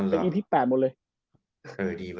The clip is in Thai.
เป็นอีพี๘หมดเลย